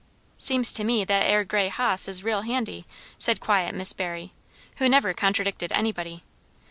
"Seems to me, that 'ere grey hoss is real handy," said quiet Miss Barry, who never contradicted anybody.